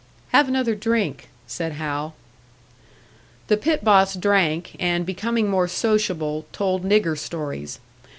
"Have another drink," said Hal. The pit boss drank, and becoming more sociable, told nigger stories.